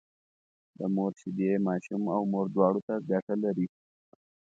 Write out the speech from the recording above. د مور شيدې ماشوم او مور دواړو ته ګټه لري